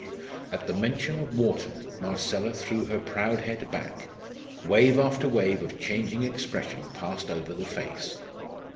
At the mention of Wharton Marcella threw her proud head back; wave after wave of changing expression passed over the face.